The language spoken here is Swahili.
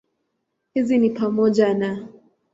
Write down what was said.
Hizi ni pamoja na